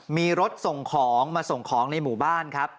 มีรถส่งของมาส่งของในหมู่บ้านครับ